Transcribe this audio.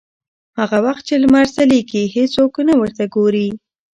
هغه وخت چې لمر ځلېږي هېڅوک نه ورته ګوري.